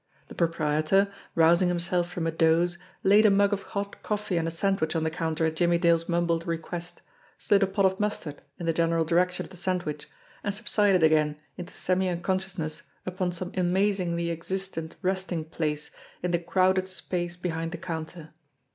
The proprietor, rousing himself from a doze, laid a mug of hot coffee and a sandwich on the counter at Jimmie Dale's mumbled request, slid a pot of mustard in the general direc tion of the sandwich, and subsided again into semi uncon sciousness upon some amazingly existent resting place in the crowded space behind the counter.